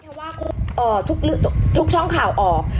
เพราะว่าทุกช่องข่าวออก